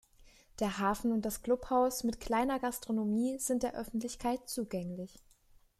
Der Hafen und das Clubhaus mit kleiner Gastronomie sind der Öffentlichkeit zugänglich.